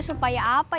siapa yang hopes